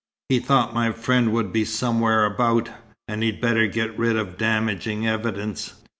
He thought my friend would be somewhere about, and he'd better get rid of damaging evidence."